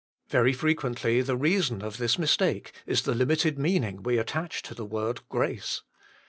Very frequently the reason of this mistake is the limited meaning attached to the word "grace."